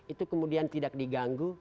itu kemudian tidak diganggu